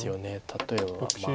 例えば。